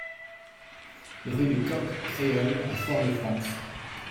Rue du Coq Créole à Fort-de-France